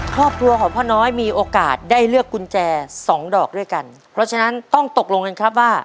ครอบครัวของพ่อน้อยมีโอกาสได้เลือกกุญแจสองดอกด้วยกันเพราะฉะนั้นต้องตกลงกันครับว่า